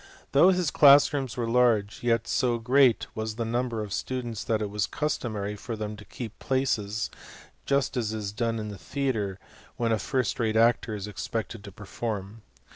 Though his class rooms were large, yet so great was the number of students, that it was customary for them to keep places, just as is done in a theatre when a first rate actor is expected to per form.